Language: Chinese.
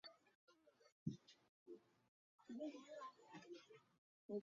库拉索足球协会是专门管辖库拉索足球事务的组织。